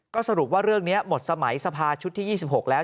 ก็สรุปว่าเรื่องนี้หมดสมัยสภาชุดที่๒๖แล้ว